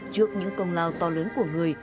trước những công lao to lớn của người